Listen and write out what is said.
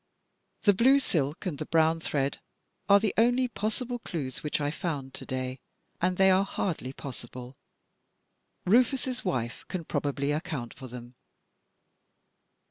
The blue silk and the brown thread are the only possible dues which I found today and they are hardly possible. Rufus's wife can probably account for them."